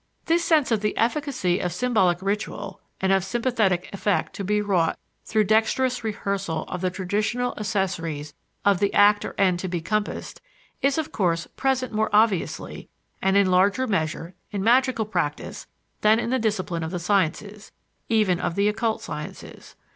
This sense of the efficacy of symbolic ritual, and of sympathetic effect to be wrought through dexterous rehearsal of the traditional accessories of the act or end to be compassed, is of course present more obviously and in larger measure in magical practice than in the discipline of the sciences, even of the occult sciences.